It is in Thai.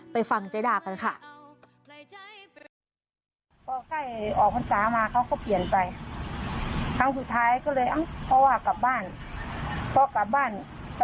ไปฟังเจ๊ดากันค่ะ